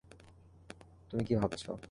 তুমি কি ভাবছ?